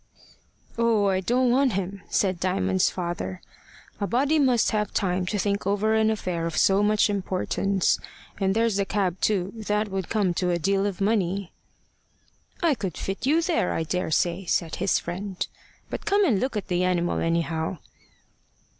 "Oh, I don't want him," said Diamond's father. "A body must have time to think over an affair of so much importance. And there's the cab too. That would come to a deal of money." "I could fit you there, I daresay," said his friend. "But come and look at the animal, anyhow."